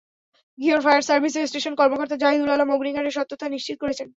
Ghior fire সার্ভিসের station কর্মকর্তা জাহিদুল আলম অগ্নিকাণ্ডের সত্যতা নিশ্চিত করেছেন।